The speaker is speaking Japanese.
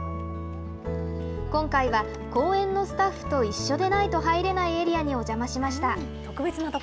今回は公園のスタッフと一緒でないと入れないエリアにお邪魔しま特別な所。